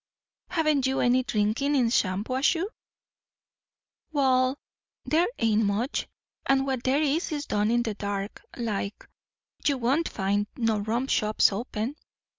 "Haven't you any drinking in Shampuashuh?" "Wall, there ain't much; and what there is, is done in the dark, like. You won't find no rum shops open."